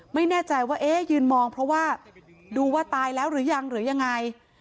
ไม่แน่ใจว่าเอ๊ะยืนมองเพราะว่าดูว่าตายแล้วหรือยังหรือยังไง